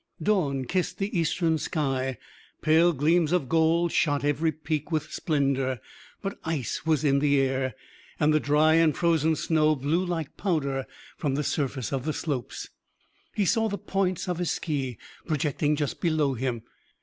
Dawn kissed the eastern sky; pale gleams of gold shot every peak with splendour; but ice was in the air, and the dry and frozen snow blew like powder from the surface of the slopes. He saw the points of his ski projecting just below him.